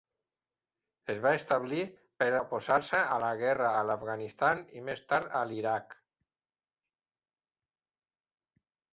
Es va establir per oposar-se a la guerra a l'Afganistan i més tard a l'Iraq.